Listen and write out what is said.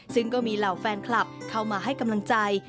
ซึ่งก็มีเหล่าแฟนคลับเข้ามาให้กำลังใจ